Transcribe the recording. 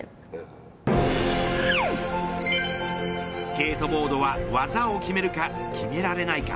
スケートボードは技を決めるか、決められないか。